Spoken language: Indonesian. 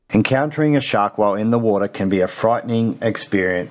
menemukan si hantu di air bisa menjadi pengalaman yang menakutkan